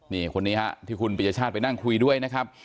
นี่คนนี้ฮะที่คุณปริญชาติไปนั่งคุยด้วยนะครับ